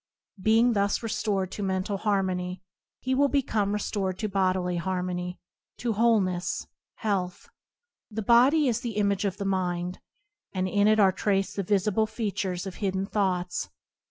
Being thus restored to mental harmony, he will become restored to bodily harmony, to wholeness, health. The body is the image of the mind, and in it are traced the visible features of hidden thoughts.